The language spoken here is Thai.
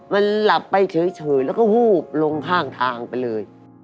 มันหลับไปเฉยแล้วก็วูบลงข้างทางไปเลย